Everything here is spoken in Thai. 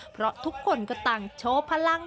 เพราะทุกคนก็ต่างโชว์พลัง